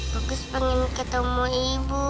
bagus pengen ketemu ibu